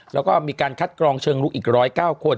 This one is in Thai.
แล้วก็มีการคัดกรองเชิงลุกอีก๑๐๙คน